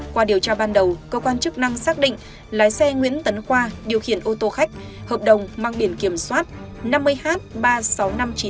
qua điều tra ban đầu cơ quan chức năng xác định lái xe nguyễn tấn khoa điều khiển ô tô khách hợp đồng mang biển kiểm soát năm mươi h ba mươi sáu nghìn năm trăm chín mươi tám